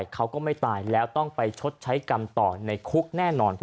เขาก็ไม่ตายแล้วต้องไปชดใช้กรรมต่อในคุกแน่นอน